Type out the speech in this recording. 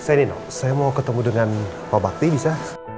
eh saya nino saya mau ketemu dengan pak bakti bisa